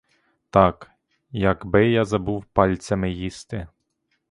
Так, як би я забув пальцями їсти.